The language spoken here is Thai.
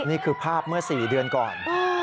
นี่คือภาพเมื่อ๔เดือนก่อน